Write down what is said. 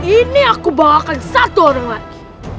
ini aku bawakan satu orang lagi